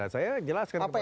saya jelaskan kepadanya